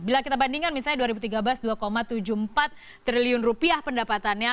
bila kita bandingkan misalnya dua ribu tiga belas dua tujuh puluh empat triliun rupiah pendapatannya